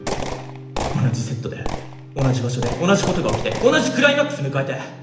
同じセットで同じ場所で同じことが起きて同じクライマックス迎えて。